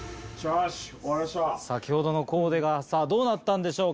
先ほどのコーデがどうなったんでしょうか？